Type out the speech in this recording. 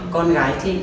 con gái chị